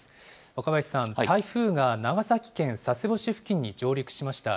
若林さん、台風が長崎県佐世保市付近に上陸しました。